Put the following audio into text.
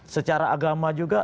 secara agama juga